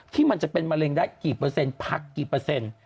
ที่มันจะเป็นมะเร็งได้กี่เปอร์เซ็นต์พักกี่เปอร์เซ็นต์